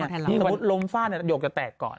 ถ้าสมมุติลมฟาดหยกจะแตกก่อน